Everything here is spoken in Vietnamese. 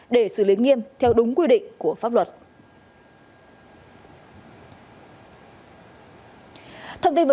để xử lý nghiêm theo đúng quy định của pháp luật